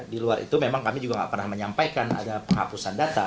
di luar itu memang kami juga tidak pernah menyampaikan ada penghapusan data